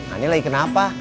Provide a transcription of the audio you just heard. ini lagi kenapa